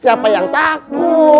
siapa yang takut